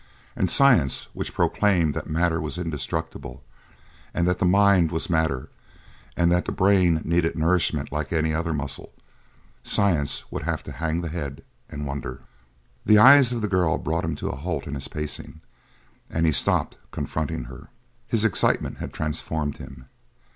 And science, which proclaimed that matter was indestructible and that the mind was matter and that the brain needed nourishment like any other muscle science would have to hang the head and wonder! The eyes of the girl brought him to halt in his pacing, and he stopped, confronting her. His excitement had transformed him.